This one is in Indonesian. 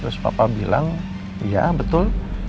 terus papa bilang iya betul